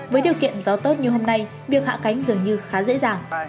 với điều kiện gió tốt như hôm nay việc hạ cánh dường như khá dễ dàng